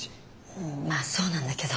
うんまあそうなんだけど。